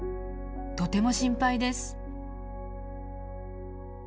とても心配です。